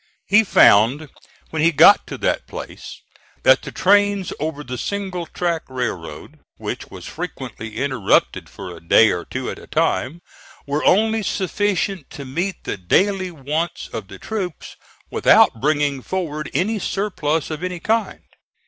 He found, when he got to that place, that the trains over the single track railroad, which was frequently interrupted for a day or two at a time, were only sufficient to meet the daily wants of the troops without bringing forward any surplus of any kind.